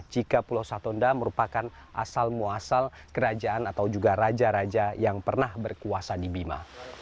jika pulau satonda merupakan asal muasal kerajaan atau juga raja raja yang pernah berkuasa di bima